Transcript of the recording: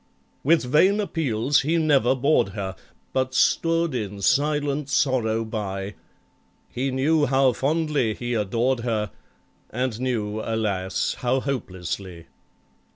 With vain appeals he never bored her, But stood in silent sorrow by— He knew how fondly he adored her, And knew, alas! how hopelessly!